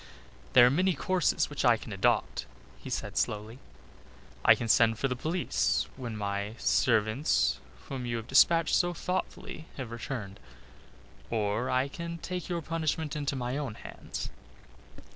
"There are many courses which I can adopt," he said slowly. "I can send for the police when my servants whom you have despatched so thoughtfully have returned, or I can take your punishment into my own hands."